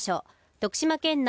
徳島県内